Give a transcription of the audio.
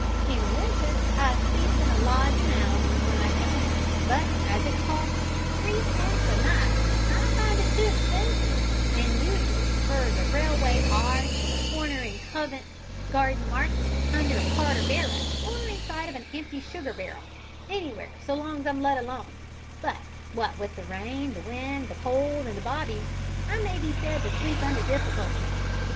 In winter I sleeps in a lodgin' 'ouse w'en I can but as it costs thrippence a night, I finds it too expensive, an' usually prefers a railway arch, or a corner in Covent Garden Market, under a cart or a barrow, or inside of a empty sugar barrel anywhere so long's I'm let alone; but what with the rain, the wind, the cold, and the bobbies, I may be said to sleep under difficulties.